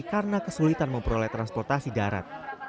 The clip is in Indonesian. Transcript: karena kesulitan memperoleh transportasi darat